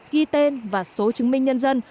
ghi tên và số chứng minh nhân dân